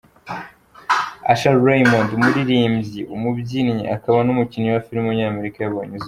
Usher Raymond, umuririmbyi, umubyinnyi akaba n’umukinnyi wa filime w’umunyamerika yabonye izuba.